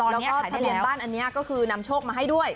แล้วก็ทะเบียนบ้านอันนี้ก็คือนำโชคมาให้ด้วย